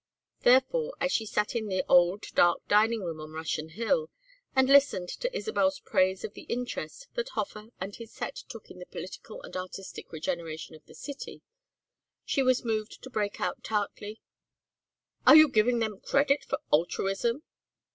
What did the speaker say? Therefore, as she sat in the old dark dining room on Russian Hill and listened to Isabel's praise of the interest that Hofer and his set took in the political and artistic regeneration of the city, she was moved to break out tartly: "Are you giving them credit for altruism?